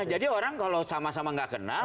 jadi orang kalau sama sama nggak kenal